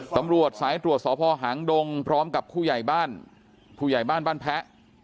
ตำรวจสายตรวจสพหางดงพร้อมกับผู้ใหญ่บ้านผู้ใหญ่บ้านบ้านแพ้